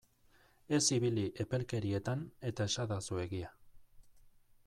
Ez ibili epelkerietan eta esadazu egia!